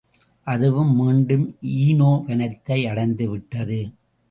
அதுவும் மீண்டும் ஈனோ வனத்தை அடைந்துவிட்டது.